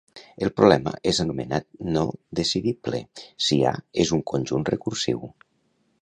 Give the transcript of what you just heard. "El problema és anomenat no-decidible si ""A"" és un conjunt recursiu."